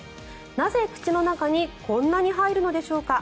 なぜ、口の中にこんなに入るのでしょうか。